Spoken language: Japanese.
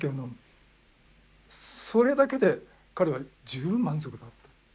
それだけで彼は十分満足だった。